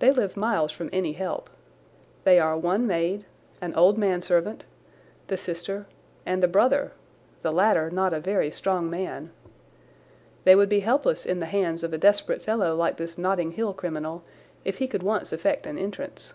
They live miles from any help. There are one maid, an old manservant, the sister, and the brother, the latter not a very strong man. They would be helpless in the hands of a desperate fellow like this Notting Hill criminal if he could once effect an entrance.